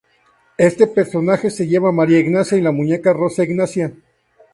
Este personaje se llama ""María Ignacia"" y la muñeca ""Rosa Ignacia"".